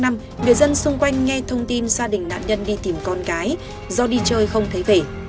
người dân xung quanh nghe thông tin gia đình nạn nhân đi tìm con gái do đi chơi không thấy về